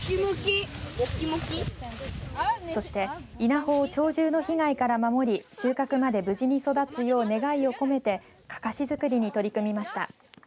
そして稲穂を鳥獣の被害から守り収穫まで無事に育つよう願いを込めてかかし作りに取り組みました。